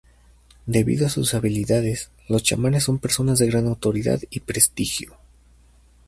Debido a sus habilidades, los chamanes son personas de gran autoridad y prestigio.